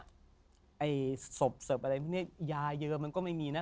ศพเสิร์ฟอะไรพวกนี้ยาเยอะมันก็ไม่มีนะ